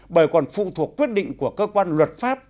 bởi còn phụ thuộc quyết định của cơ quan luật pháp